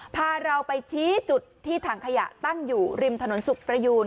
พาเราไปชี้จุดที่ถังขยะตั้งอยู่ริมถนนสุขประยูน